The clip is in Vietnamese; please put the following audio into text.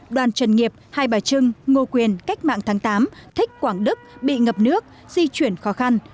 đoàn trần nghiệp hai bà trưng ngô quyền cách mạng tháng tám thích quảng đức bị ngập nước di chuyển khó khăn